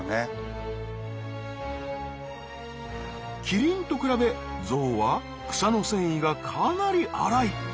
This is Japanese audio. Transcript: キリンと比べゾウは草の繊維がかなり粗い。